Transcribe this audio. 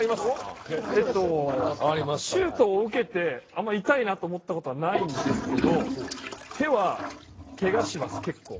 シュートを受けて痛いなと思ったことはないですけど手はけがします、結構。